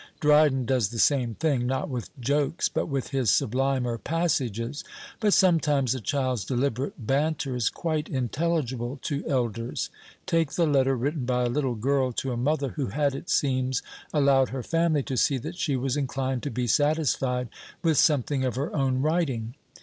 Dryden does the same thing, not with jokes, but with his sublimer passages. But sometimes a child's deliberate banter is quite intelligible to elders. Take the letter written by a little girl to a mother who had, it seems, allowed her family to see that she was inclined to be satisfied with something of her own writing.